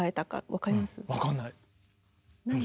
分かんない。